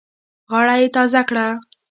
غاړه یې تازه کړه.